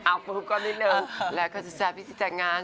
อาบปุ๊บก็นิดหนึ่งแล้วก็จะเจอพี่สิทธิ์แจกงาน